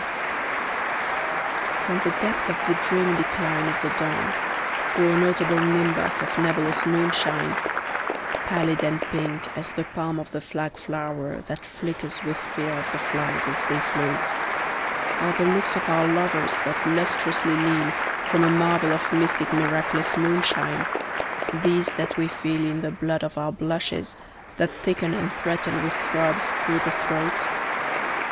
] FROM the depth of the dreamy decline of the dawn through a notable nimbus of nebulous noonshine, Pallid and pink as the palm of the flag flower that flickers with fear of the flies as they float, Are the looks of our lovers that lustrously lean from a marvel of mystic miraculous moonshine, These that we feel in the blood of our blushes that thicken and threaten with throbs through the throat?